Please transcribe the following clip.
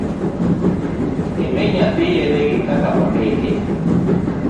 Imi nyathi yedhegi kaka ondiki